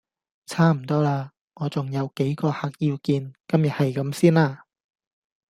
差唔多喇，我重有幾個客要見。今日係咁先啦